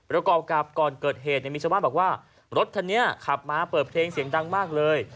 ประกอบกับก่อนเกิดเหตุมีชาวบ้านบอกว่ารถคันนี้ขับมาเปิดเพลงเสียงดังมากเลย